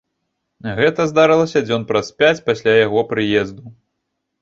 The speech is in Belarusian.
Гэта здарылася дзён праз пяць пасля яго прыезду.